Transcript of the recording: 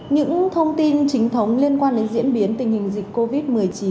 những thông tin chính thống liên quan đến diễn biến tình hình dịch covid một mươi chín